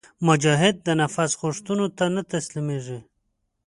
مجاهد د نفس غوښتنو ته نه تسلیمیږي.